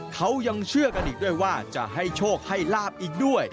เขายังเชื่อกันอีกด้วยว่าจะให้โชคให้ลาบอีกด้วย